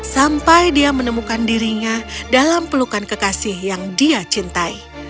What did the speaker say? sampai dia menemukan dirinya dalam pelukan kekasih yang dia cintai